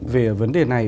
về vấn đề này